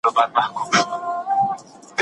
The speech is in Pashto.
د هرات موټر چي کله راځي نو په دلارام کي ډک سي